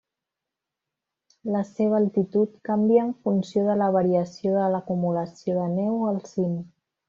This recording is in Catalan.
La seva altitud canvia en funció de la variació de l'acumulació de neu al cim.